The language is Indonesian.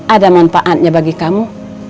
ada manfaatnya bagi kamu